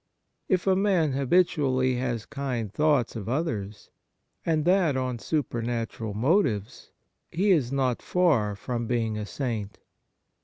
If a man habitually has kind thoughts of others, and that on supernatural motives, he is not far from being a saint.